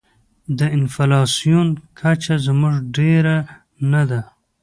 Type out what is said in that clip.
د انفلاسیون کچه زموږ ډېره نه ده.